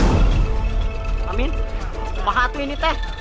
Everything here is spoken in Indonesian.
kuma hatu ini teh kuma hatu ini teh